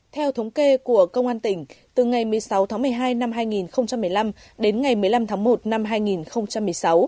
theo thống kê của công an tỉnh từ ngày một mươi sáu tháng một mươi hai năm hai nghìn một mươi năm đến ngày một mươi năm tháng một năm hai nghìn một mươi sáu